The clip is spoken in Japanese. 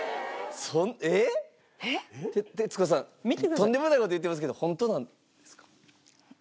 とんでもない事言ってますけどホントなんですか？